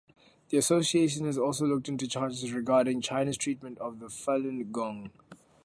The association has also looked into charges regarding China's treatment of the Falun Gong.